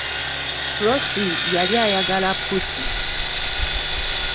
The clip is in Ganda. Prosy yali ayagala pussi.